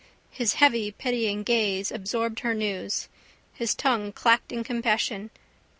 His heavy pitying gaze absorbed her news. His tongue clacked in compassion.